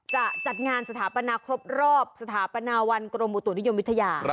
จะจัดงานสถาปนาครบรอบสถาปนาวันกรมอุตุนิยมวิทยา